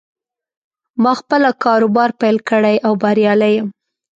ما خپله کاروبار پیل کړې او بریالی یم